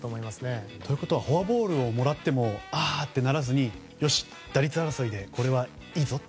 フォアボールをもらってもああとならずによし、打率争いでこれはいいぞと。